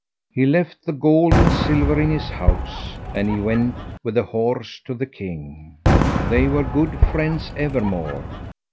He left the gold and silver in his house, and he went with the horse to the king. They were good friends evermore.